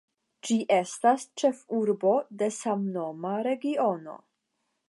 Ĝi estas ĉefurbo de samnoma regiono.